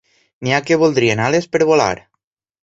N'hi ha que voldrien ales per volar